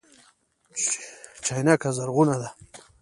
چينکه زرغونه ده